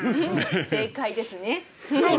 正解ですね。